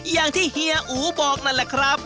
อย่างที่เฮีย๋หูบอกนั่นแหละครับ